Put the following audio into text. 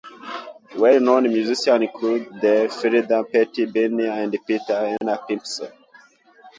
Well-known musicians included the fiddler Pattie Birnie and the piper Habbie Simpson.